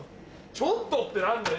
「ちょっと」って何だよ？